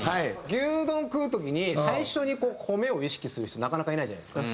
牛丼食う時に最初に米を意識する人なかなかいないじゃないですか。